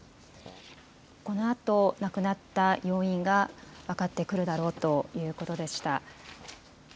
このあと、亡くなった要因が分かってくるだろうということでした。